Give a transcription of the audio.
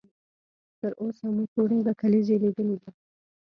تر اوسه مو څو ډوله کلیزې لیدلې دي؟